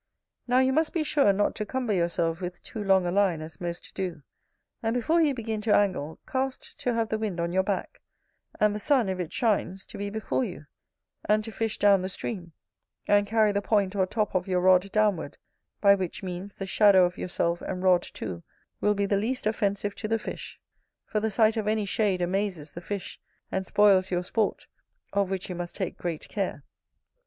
Now you must be sure not to cumber yourself with too long a line, as most do. And before you begin to angle, cast to have the wind on your back; and the sun, if it shines, to be before you; and to fish down the stream; and carry the point or top of your rod downward, by which means the shadow of yourself and rod too, will be the least offensive to the fish, for the sight of any shade amazes the fish, and spoils your sport, of which you must take great care.